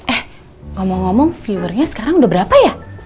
eh ngomong ngomong viewernya sekarang udah berapa ya